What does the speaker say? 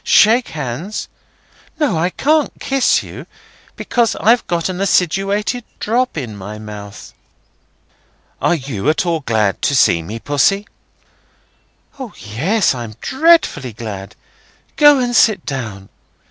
Shake hands. No, I can't kiss you, because I've got an acidulated drop in my mouth." "Are you at all glad to see me, Pussy?" "O, yes, I'm dreadfully glad.—Go and sit down.